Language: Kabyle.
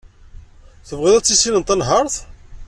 Tebɣiḍ ad tissineḍ tanhaṛt.